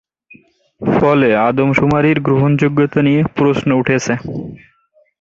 ফলে আদমশুমারির গ্রহণযোগ্যতা নিয়ে প্রশ্ন উঠেছে।